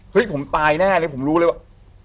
ผมตายแน่เลยผมรู้เลยว่า